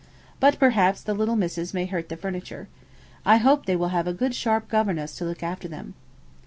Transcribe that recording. But perhaps the little Misses may hurt the furniture. I hope they will have a good sharp governess to look after them.'